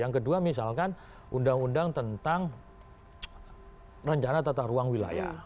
yang kedua misalkan undang undang tentang rencana tata ruang wilayah